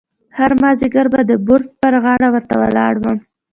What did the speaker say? هر مازیګر به د بورد پر غاړه ورته ولاړ وم.